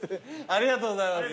ありがとうございます。